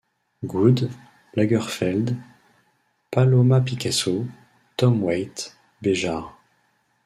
Goude, Lagerfeld, Paloma Picasso, Tom Waits, Béjart.